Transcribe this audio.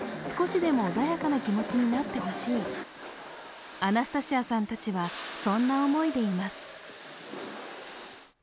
少しでも穏やかな気持ちになってほしいアナスタシアさんたちはそんな思いでいます。